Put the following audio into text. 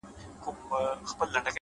د حقیقت منل د عقل ځواک زیاتوي’